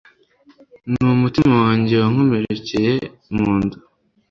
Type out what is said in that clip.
n’umutima wanjye wankomerekeye mu nda